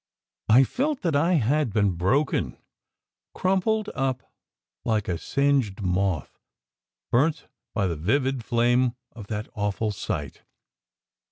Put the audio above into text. I felt that I had been broken, crumpled up like a singed moth, burnt by the vivid flame of that awful sight.